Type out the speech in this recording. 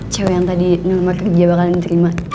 cewek yang tadi nomor kerja bakalan diterima